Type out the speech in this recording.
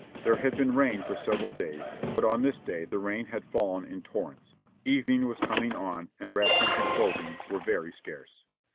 There had been rain for several days, but on this day the rain had fallen in torrents, evening was coming on and rations and clothing were very scarce.